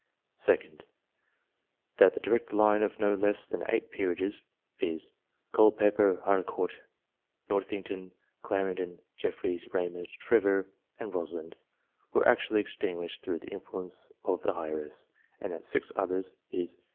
2d. That the direct male line of no less than eight peerages, viz. Colpepper, Harcourt, Northington, Claren don, Jeffreys, Raymond, Trevor, and Rosslyn, were actually extinguished through the influence of the heiresses, and that six others, viz.